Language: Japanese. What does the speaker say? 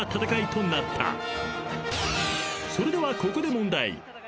［それではここで］